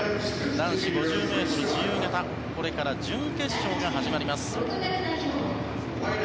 男子５０ｍ自由形準決勝が始まります。